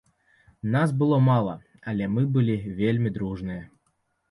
Нас было мала, але мы былі вельмі дружныя.